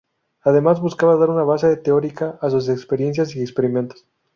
Además, buscaba dar una base teórica a sus experiencias y experimentos.